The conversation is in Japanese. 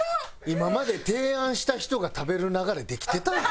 今まで提案した人が食べる流れできてたやん。